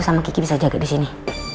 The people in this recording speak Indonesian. sama kiki bisa jaga disini